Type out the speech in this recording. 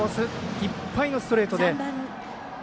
いっぱいのストレートで。